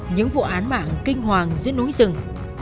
những vụ án mạng kinh hoàng giữa núi rừng